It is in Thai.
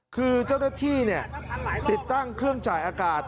คือเจ้าหน้าที่ติดตั้งเครื่องจ่ายอากาศ